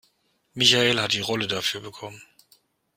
Michael hat die Rolle dafür bekommen.